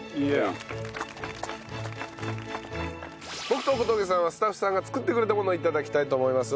僕と小峠さんはスタッフさんが作ってくれたものを頂きたいと思います。